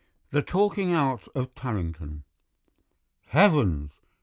THE TALKING OUT OF TARRINGTON "Heavens!"